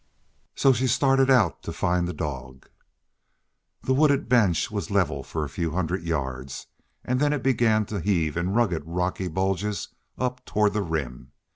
So she started out to find the dog. The wooded bench was level for a few hundred yards, and then it began to heave in rugged, rocky bulges up toward the Rim.